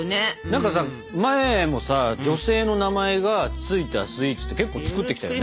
何かさ前もさ女性の名前が付いたスイーツって結構作ってきたよね？